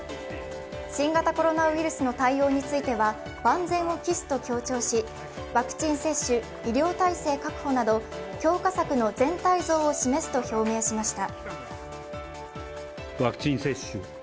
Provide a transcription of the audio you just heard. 新型コロナウイルスの対応については万全を期すと強調し強化策の全体像を示すと表明しました。